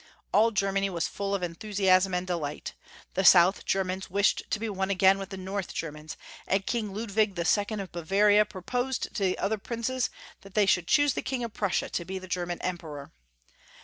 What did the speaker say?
All Germany was full of enthusiasm and delight. The South Germans wished to be one again with the North Germans, and King Ludwig II. of Bavaria proposed to the other princes that they should choose the King of Prussia to be German Emperor.